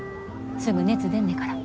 すぐ熱出んねから。